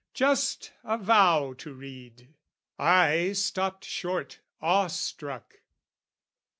Just a vow to read! I stopped short awe struck.